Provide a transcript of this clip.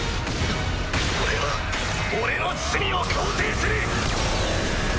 俺は俺の罪を肯定する！